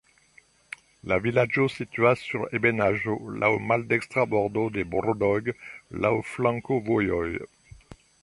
La vilaĝo situas sur ebenaĵo, laŭ maldekstra bordo de Bodrog, laŭ flankovojoj.